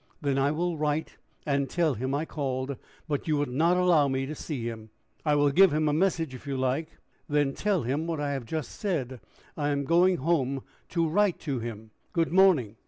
"Then I will write, and tell him I called, but you would not allow me to see him." "I will give him a message, if you like." "Then tell him what I have just said. I am going home to write to him. Good morning."